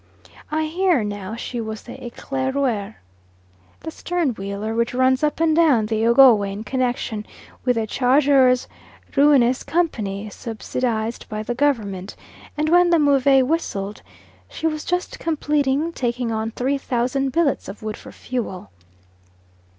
I hear now she was the Eclaireur, the stern wheeler which runs up and down the Ogowe in connection with the Chargeurs Reunis Company, subsidised by the Government, and when the Move whistled, she was just completing taking on 3,000 billets of wood for fuel.